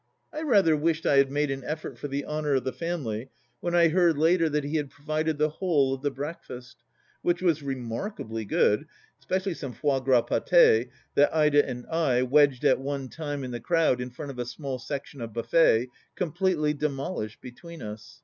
I rather wished I had made an effort for the honour of the family when I heard later that he had provided the whole of the breakfast, which was re markably good, especially some foie gras pdtS that Ida and I, wedged at one time in the crowd in front of a small section of buffet, completely demolished between us.